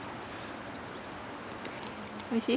おいしい？